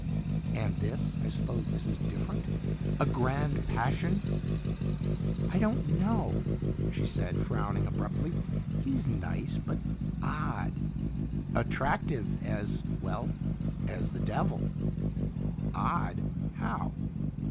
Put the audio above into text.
"And this? I suppose this is different a grand passion?" "I don't know," she said, frowning abruptly. "He's nice, but odd. Attractive as well, as the devil." "Odd? How?"